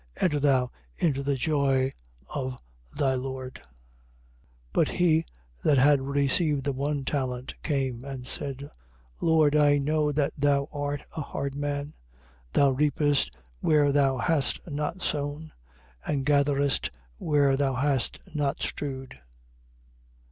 Enter thou into the joy of thy lord. 25:24. But he that had received the one talent, came and said: Lord, I know that thou art a hard man; thou reapest where thou hast not sown and gatherest where thou hast not strewed.